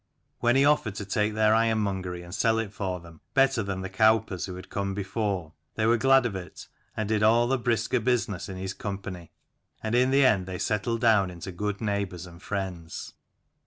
When he offered to take their ironmongery and sell it for them, better than the cowpers who had come before, they were glad of it, and did all the brisker business in his company : and in the end they settled down into good neighbours and friends.